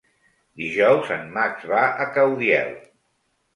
Dijous en Max va a Caudiel.